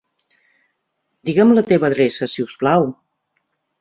Digue'm la teva adreça, si us plau.